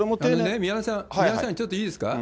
宮根さん、ちょっといいですか？